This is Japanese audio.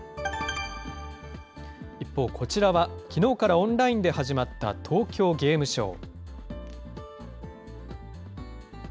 一方、こちらは、きのうからオンラインで始まった東京ゲームショウ。